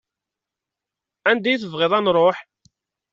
Anda i tebɣiḍ ad nruḥ?